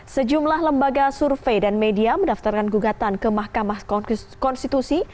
sejumlah lembaga survei dan media mendaftarkan gugatan ke mahkamah konstitusi